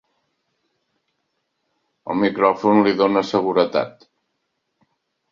El micròfon li dóna seguretat.